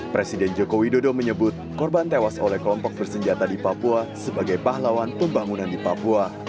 presiden joko widodo menyebut korban tewas oleh kelompok bersenjata di papua sebagai pahlawan pembangunan di papua